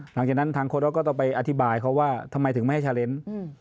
หลังจากนั้นทางโค้ดอสก็ต้องไปอธิบายเขาว่าทำไมถึงไม่ให้ชาเลนส์